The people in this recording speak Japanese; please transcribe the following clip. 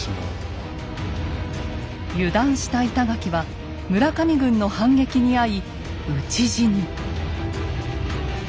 油断した板垣は村上軍の反撃に遭い討ち死に。